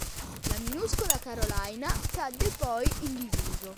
La minuscola carolina cadde poi in disuso.